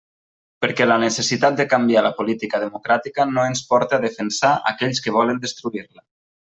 Perquè la necessitat de canviar la política democràtica no ens porte a defensar aquells que volen destruir-la.